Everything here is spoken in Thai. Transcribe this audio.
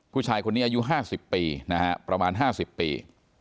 ผู้ชายคนนี้อายุ๕๐ปีนะฮะประมาณ๕๐ปี